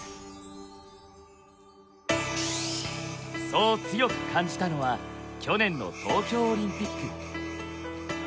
そう強く感じたのは去年の東京オリンピック。